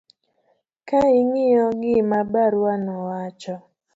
ka ing'iyo gima barua no wacho